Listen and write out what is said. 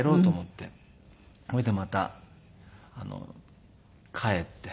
それでまた帰って。